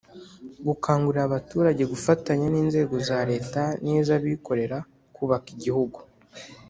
gukangurira abaturage gufatanya n’inzego za leta n'iz'abikorera kubaka igihugu